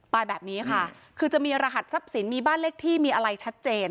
แบบนี้ค่ะคือจะมีรหัสทรัพย์สินมีบ้านเลขที่มีอะไรชัดเจน